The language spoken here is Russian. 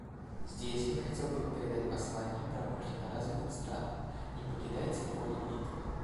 Здесь я хотел бы передать послание промышленно развитым странам: «Не покидайте поле битвы».